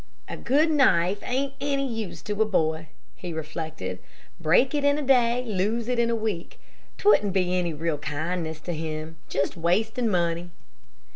"A good knife ain't any use to a boy," he reflected. "Break it in a day, lose it in a week. 'T wouldn't be any real kindness to him. Just wastin' money."